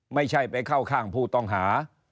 ไม่ใช่ไปเข้าข้างผู้ต้องหา